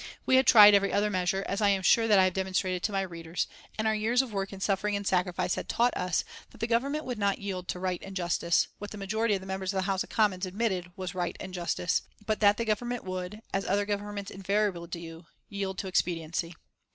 We had tried every other measure, as I am sure that I have demonstrated to my readers, and our years of work and suffering and sacrifice had taught us that the Government would not yield to right and justice, what the majority of members of the House of Commons admitted was right and justice, but that the Government would, as other governments invariably do, yield to expediency.